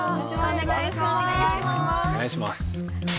お願いします。